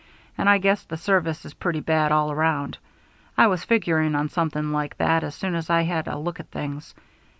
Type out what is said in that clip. And I guess the service is pretty bad all around. I was figuring on something like that as soon as I had a look at things.